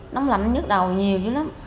nóng lạnh nhức đầu nhiều chứ lắm